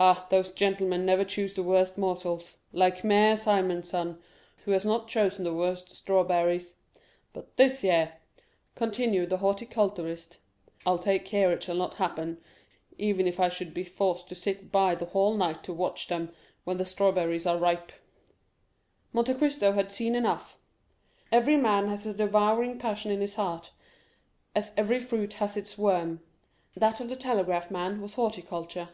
Ah, those gentlemen never choose the worst morsels; like Mère Simon's son, who has not chosen the worst strawberries. But this year," continued the horticulturist, "I'll take care it shall not happen, even if I should be forced to sit by the whole night to watch when the strawberries are ripe." Monte Cristo had seen enough. Every man has a devouring passion in his heart, as every fruit has its worm; that of the telegraph man was horticulture.